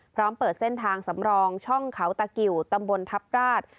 พร้อมเปิดเส้นทางสำรองช่องเขาตะกิวตำบลทัพราช